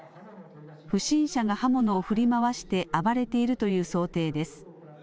不審者が刃物を振り回して暴れているという想定です。